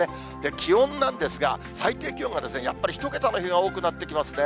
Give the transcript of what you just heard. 気温なんですが、最低気温がやっぱり１桁の日が多くなってきますね。